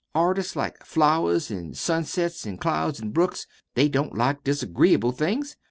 Artists like flowers an' sunsets an' clouds an' brooks. They don't like disagreeable things.